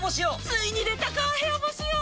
ついに出たか部屋干し用！